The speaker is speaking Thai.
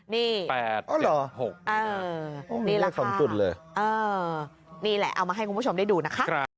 นี่๘๖นี่แหละสูงสุดเลยนี่แหละเอามาให้คุณผู้ชมได้ดูนะคะ